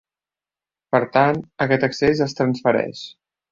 Per tant, aquest excés es transfereix.